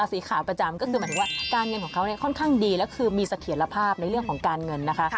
สีขาวประจำก็คือหมายถึงว่าการเงินของเขาเนี่ยค่อนข้างดีแล้วคือมีเสถียรภาพในเรื่องของการเงินนะคะ